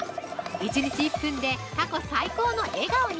１日１分で過去最高の笑顔に。